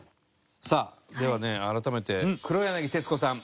さあではね改めて黒柳徹子さん